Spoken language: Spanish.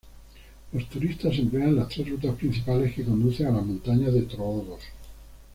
Los turistas emplean las tres rutas principales que conducen a las montañas de Troodos.